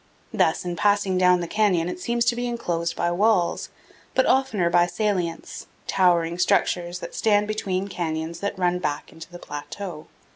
Thus, in passing down the canyon it seems to be inclosed by walls, but oftener by salients towering structures that stand between canyons that run back into the plateau.